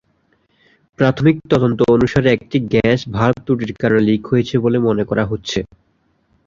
প্রাথমিক তদন্ত অনুসারে, একটি গ্যাস ভালভ ত্রুটির কারণে লিক হয়েছে বলে মনে করা হচ্ছে।